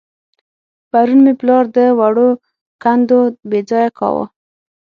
پرون مې پلار د وړو کندو بېځايه کاوه.